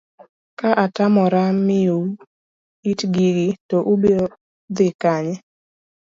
ka atamora miyou it gigi to ubiro dhi kanye?